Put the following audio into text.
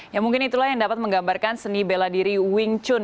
ya mungkin itulah yang dapat menggambarkan seni bela diri wing chun